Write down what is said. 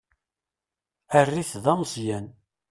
Err-it d ameẓẓyan.